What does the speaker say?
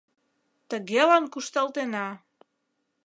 Тыгелан кушталтена.